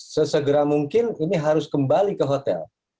sesegera mungkin ini harus kembali ke hotel